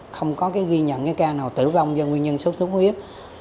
không có ghi nhận ca nào tử vong do nguyên nhân xuất xuất huyết